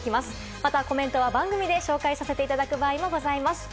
またコメントは番組でご紹介させていただく場合もございます。